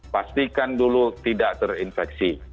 pastikan dulu tidak terinfeksi